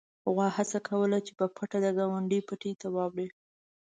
غوا هڅه کوله چې په پټه د ګاونډي پټي ته واوړي.